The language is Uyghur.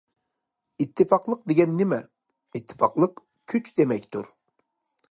ئىتتىپاقلىق دېگەن نېمە؟ ئىتتىپاقلىق كۈچ دېمەكتۇر.